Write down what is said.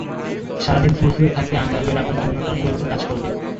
সারা দিন ফুরফুরে থাকতে আন্ডারওয়্যার আপনার জন্য টনিকের মতো কাজ করবে।